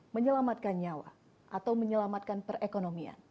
menyelamatkan nyawa atau menyelamatkan perekonomian